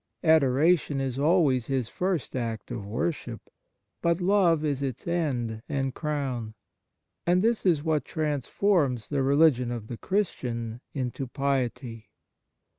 Adoration is always his first act of worship, but love is its end and crown. And this is what trans forms the religion of the Christian into piety.